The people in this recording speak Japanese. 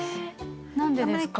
何でですか？